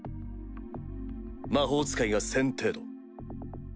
魔法使いが１０００程度。